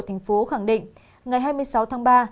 thành phố khẳng định ngày hai mươi sáu tháng ba